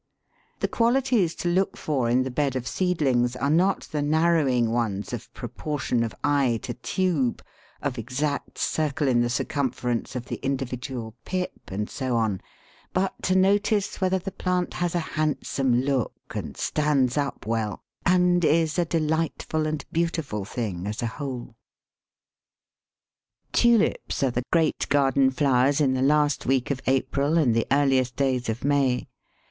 The qualities to look for in the bed of seedlings are not the narrowing ones of proportion of eye to tube, of exact circle in the circumference of the individual pip, and so on, but to notice whether the plant has a handsome look and stands up well, and is a delightful and beautiful thing as a whole. [Illustration: TULIPA RETROFLEXA.] [Illustration: LATE SINGLE TULIPS, BREEDERS AND BYBLOEMEN.] Tulips are the great garden flowers in the last week of April and earliest days of May.